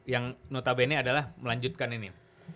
yang notabene adalah melanjutkan ini